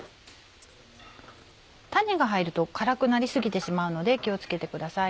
種が入ると辛くなり過ぎてしまうので気を付けてください